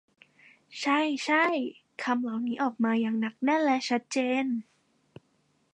ใช่ ใช่ คำเหล่านี้ออกมาอย่างหนักแน่นและชัดเจน